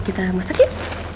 kita masak yuk